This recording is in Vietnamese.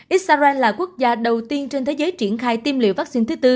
israel là quốc gia đầu tiên trên thế giới triển khai tiêm liệu vaccine thứ tư